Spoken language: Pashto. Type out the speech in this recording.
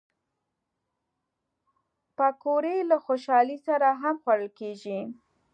پکورې له خوشحالۍ سره هم خوړل کېږي